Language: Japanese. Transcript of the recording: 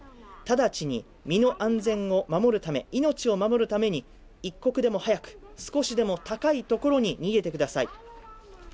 直ちに身の安全を守るため命を守るために、一刻でも早く、少しでも高いところに逃げてください。